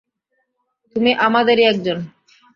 তুমি আমাদেরই একজন।